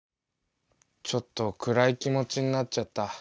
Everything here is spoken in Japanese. ちょっと暗い気持ちになっちゃった。